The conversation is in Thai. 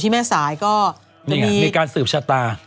มันมีการสึบชาตา